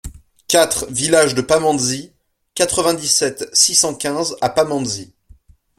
quatre vILLAGE DE PAMANDZI, quatre-vingt-dix-sept, six cent quinze à Pamandzi